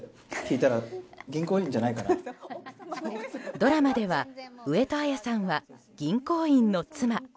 ドラマでは上戸彩さんは銀行員の妻。